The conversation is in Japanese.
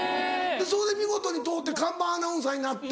それで見事に通って看板アナウンサーになって。